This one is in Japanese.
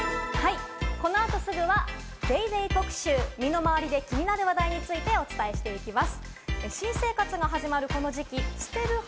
この後すぐは「ＤａｙＤａｙ．特集」、身の回りで気になる話題についてお伝えしていきます。